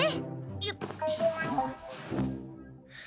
よっ。